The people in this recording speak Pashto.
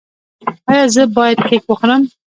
ایا زه باید کیک وخورم؟